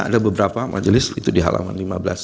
ada beberapa majelis itu di halaman lima belas